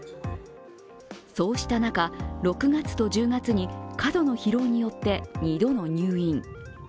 そうした中、６月と１０月に過度の疲労によって２度の入院。